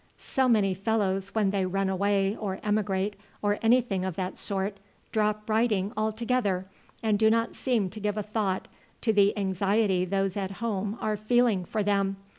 "So many fellows when they run away or emigrate, or anything of that sort, drop writing altogether, and do not seem to give a thought to the anxiety those at home are feeling for them.